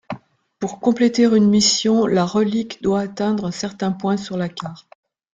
Pour compléter une mission, la Relique doit atteindre un certain point sur la carte.